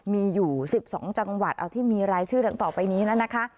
มีอยู่สิบสองจังหวัดเอาที่มีรายชื่อเรื่องต่อไปนี้น่ะนะคะ